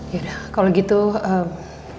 ya dah kalau gitu saya ke depan temuin